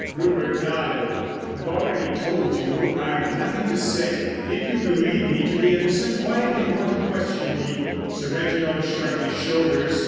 Rupert nodded. "I've already told you I've nothing to say. If you believe me to be innocent why do you want to question me?" Sir Reginald shrugged his shoulders.